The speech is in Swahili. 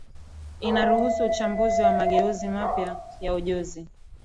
inaruhusu uchambuzi wa mageuzi mapya ya ujuzi